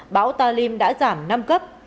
bão talim đã giảm năm cấp